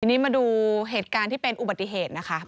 ทีนี้มาดูเหตุการณ์ที่เป็นอุบัติเหตุนะคะ